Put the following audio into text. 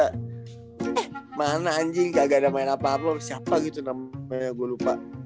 mana anjing gak ada main apa apa siapa gitu namanya gue lupa